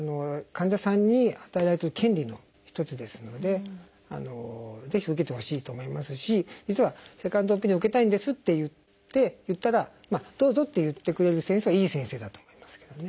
患者さんに与えられてる権利の一つですのでぜひ受けてほしいと思いますし実はセカンドオピニオンを受けたいんですって言ったらどうぞって言ってくれる先生はいい先生だと思いますけどね。